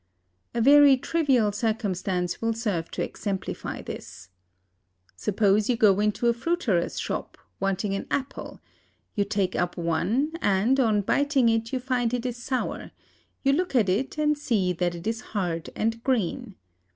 A very trivial circumstance will serve to exemplify this. Suppose you go into a fruiterer's shop, wanting an apple, you take up one, and, on biting it, you find it is sour; you look at it, and see that it is hard and green.